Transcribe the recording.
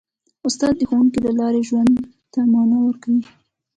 استاد د ښوونې له لارې ژوند ته مانا ورکوي.